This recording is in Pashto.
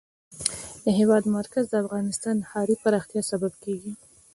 د هېواد مرکز د افغانستان د ښاري پراختیا سبب کېږي.